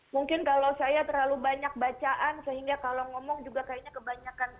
mungkin kalau saya terlalu banyak bacaan sehingga kalau ngomong juga kayaknya kebanyakan